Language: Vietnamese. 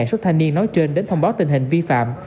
số thanh niên nói trên đến thông báo tình hình vi phạm